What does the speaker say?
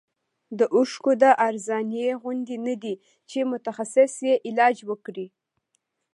د اوښکو د ارزانۍ غوندې نه دی چې متخصص یې علاج وکړي.